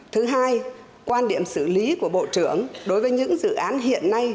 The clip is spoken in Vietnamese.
thứ hai quan điểm xử lý của bộ trưởng đối với những dự án hiện nay